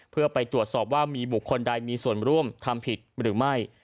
เพื่อไปตรวจสอบว่ามีบุคคลใดมีส่วนร่วมทำผิดหรือไม่